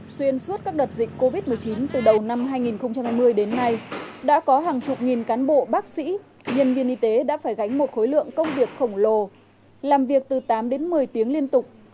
xuyên suốt các đợt dịch covid một mươi chín từ đầu năm hai nghìn hai mươi đến nay đã có hàng chục nghìn cán bộ bác sĩ nhân viên y tế đã phải gánh một khối lượng công việc khổng lồ làm việc từ tám đến một mươi tiếng liên tục